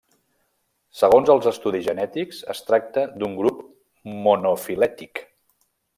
Segons els estudis genètics es tracta d'un grup monofilètic.